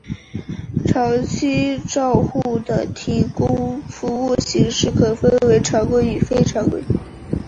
长期照护的提供服务形式可分为常规与非常规。